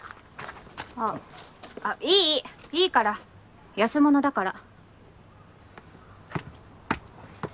あっあっいいいいいいから安物だから。